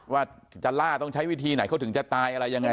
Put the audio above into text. ว่าจะล่าต้องใช้วิธีไหนเขาถึงจะตายอะไรยังไง